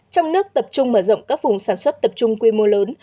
trong nước tập trung mở rộng các vùng sản xuất tập trung quy mô lớn